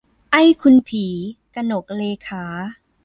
ไอ้คุณผี - กนกเรขา